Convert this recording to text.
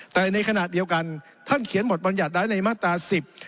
แต่ในขณะเดียวกันท่านเขียนบทบรรยัติไว้ในมาตราสิบ